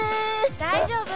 大丈夫？